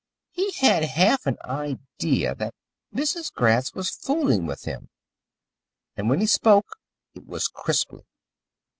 He had half an idea that Mrs. Gratz was fooling with him, and when he spoke it was crisply.